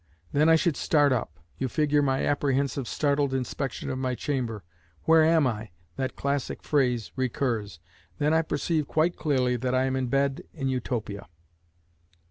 Then I should start up. You figure my apprehensive, startled inspection of my chamber. "Where am I?" that classic phrase, recurs. Then I perceive quite clearly that I am in bed in Utopia.